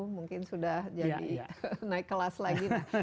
mungkin sudah jadi naik kelas lagi